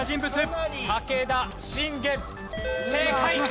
正解！